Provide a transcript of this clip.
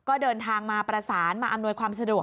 ก็เดินทางมาประสานมาอำนวยความสะดวก